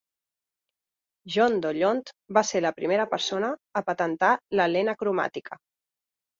John Dollond va ser la primera persona a patentar la lent acromàtica.